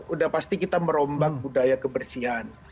udah pasti kita merombak budaya kebersihan